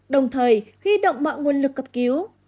đồng thời huy động mọi nguồn lực cấp cứu